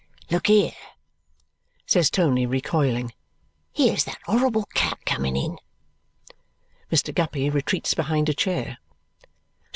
"Look here," says Tony, recoiling. "Here's that horrible cat coming in!" Mr. Guppy retreats behind a chair.